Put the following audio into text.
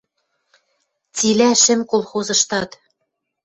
Цилӓ шӹм колхозыштат